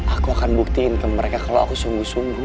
aku akan buktiin ke mereka kalau aku sungguh sungguh